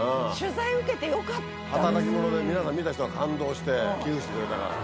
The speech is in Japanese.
働き者で皆さん見た人は感動して寄付してくれたから。